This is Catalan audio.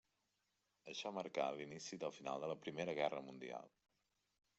Això marcà l'inici del final de la Primera Guerra Mundial.